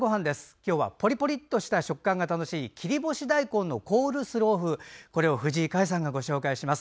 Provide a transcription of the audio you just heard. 今日はポリポリっとした食感が楽しい切り干し大根のコールスロー風を藤井香江さんがご紹介します。